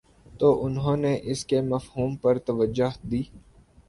تو انہوں نے اس کے مفہوم پر توجہ دی